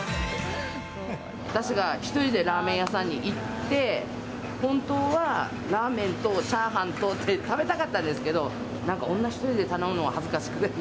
私が１人でラーメン屋さんに行って、本当はラーメンとチャーハンとって食べたかったですけど、なんか女一人で頼むのは恥ずかしくて。